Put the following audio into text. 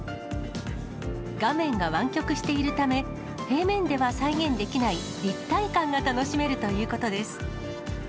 画面が湾曲しているため、平面では再現できない立体感が楽しめるということです。